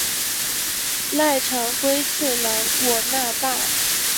濑长龟次郎我那霸。